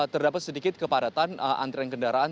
terdapat sedikit kepadatan antrean kendaraan